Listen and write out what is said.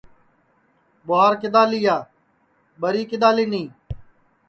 ٻُواہار کِدؔا لیا ٻری کِدؔا لینی